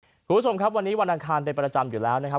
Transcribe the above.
คุณผู้ชมครับวันนี้วันอังคารเป็นประจำอยู่แล้วนะครับ